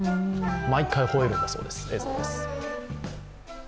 毎回吠えるんだそうです。